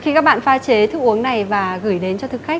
khi các bạn pha chế thức uống này và gửi đến cho thực khách